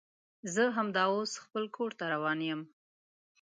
زه همدا اوس خپل کور ته روان یم